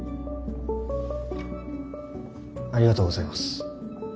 ありがとうございます。